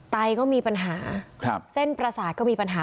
ไตก็มีปัญหาเส้นประสาทก็มีปัญหา